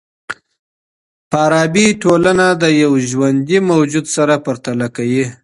فارابي ټولنه د یوه ژوندي موجود سره پرتله کوي.